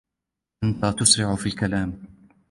أنت تسرع في الكلام.